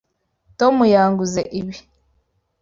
Tom yanguze ibi.